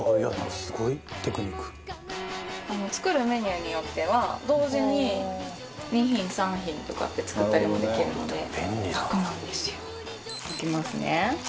「すごいテクニック」作るメニューによっては同時に２品３品とかって作ったりもできるので楽なんですよ。いきますね。